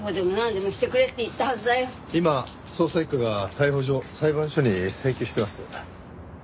今捜査一課が逮捕状を裁判所に請求してます。